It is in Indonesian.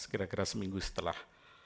kira kira seminggu setelah